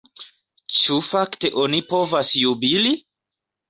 Ĉu fakte oni povas jubili?